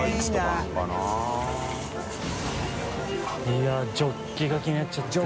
いやジョッキが気になっちゃって。